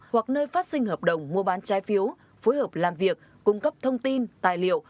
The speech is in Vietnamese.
hoặc nơi phát sinh hợp đồng mua bán trái phiếu phối hợp làm việc cung cấp thông tin tài liệu